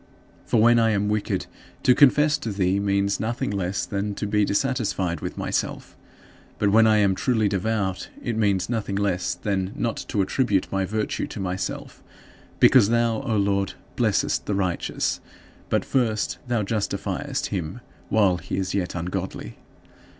For when I am wicked, to confess to thee means nothing less than to be dissatisfied with myself; but when I am truly devout, it means nothing less than not to attribute my virtue to myself; because thou, O Lord, blessest the righteous, but first thou justifiest him while he is yet ungodly.